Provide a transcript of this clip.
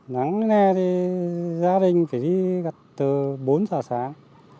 nắng thế này thì gia đình phải đi gặt từ bốn giờ sáng